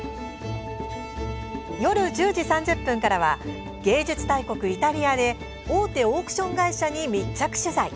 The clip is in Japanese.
夜１０時３０分からは芸術大国イタリアで大手オークション会社に密着取材。